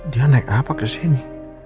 dia naik apa ke sini